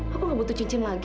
aku gak butuh cincin lagi